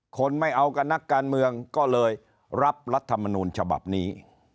คนไม่เอากับนักการเมืองก็เลยรับรัฐมนูลฉบับนี้